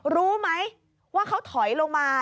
รู้ไหมว่าเขาถอยลงมา